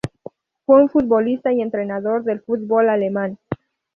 Fue un futbolista y entrenador de fútbol alemán.